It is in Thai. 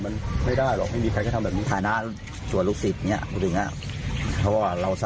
นี้นะครับท่านผู้ชมครับ